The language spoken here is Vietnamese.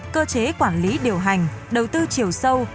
cơ chế quản lý điều hành đầu tư chiều sâu